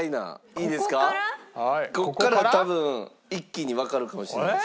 ここから多分一気にわかるかもしれないです。